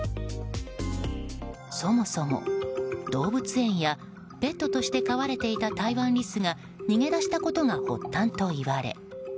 そもそも、動物園やペットとして飼われていたタイワンリスが逃げ出したことが発端といわれ